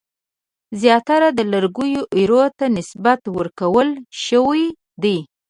زیاتره د لرګیو ایرو ته نسبت ورکول شوی دی.